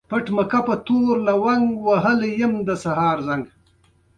د هرات تاریخي بازارونه د پخوانیو زمانو ژوند ښيي.